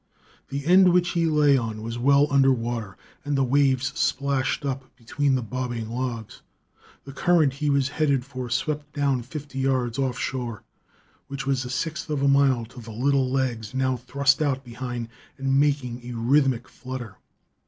The end which he lay on was well under water, and the waves splashed up between the bobbing logs. The current he was headed for swept down fifty yards offshore, which was a sixth of a mile to the little legs now thrust out behind and making a rhythmic flutter.